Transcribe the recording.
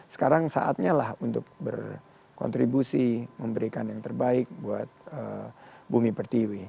sekarang saatnya lah untuk berkontribusi memberikan yang terbaik buat bumi pertiwi